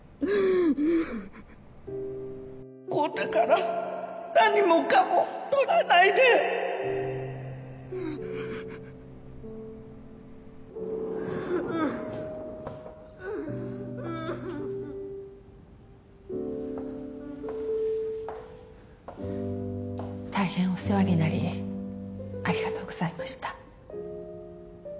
昂太から何もかも取らないで大変お世話になりありがとうございました。